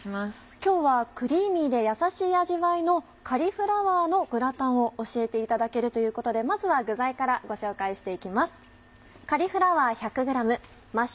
今日はクリーミーでやさしい味わいのカリフラワーのグラタンを教えていただけるということでまずは具材からご紹介して行きます。